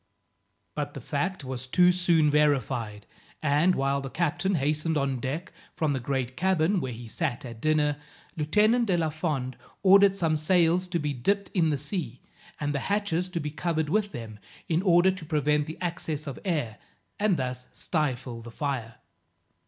But the fact was too soon verified, and, while the captain hastened on deck from the great cabin, where he sat at dinner, Lieutenant de la Fond ordered some sails to be dipped in the sea, and the hatches to be covered with them in order to prevent the access of air, and thus stifle the fire.